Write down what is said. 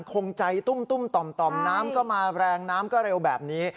คงใจตุ้มต่อมน้ำก็มาแรงน้ำก็เร็วแบบนี้